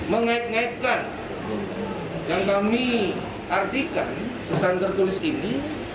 mengait ngaitkan yang kami artikan pesan tertulis ini